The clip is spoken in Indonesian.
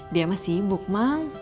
dia masih sibuk mang